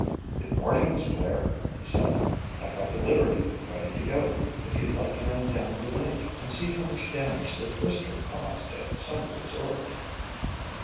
"Good morning, Miss Blair," he said. "I've got the Liberty ready to go if you'd like to run down the lake and see how much damage the twister caused at the summer resorts."